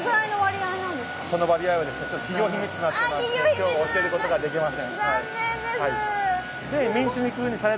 今日は教えることができません。